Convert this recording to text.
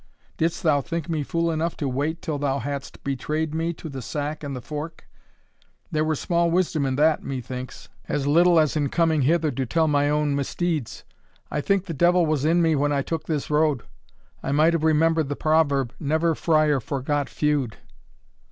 Didst thou think me fool enough to wait till thou hadst betrayed me to the sack and the fork! There were small wisdom in that, methinks as little as in coming hither to tell my own misdeeds I think the devil was in me when I took this road I might have remembered the proverb, 'Never Friar forgot feud.'"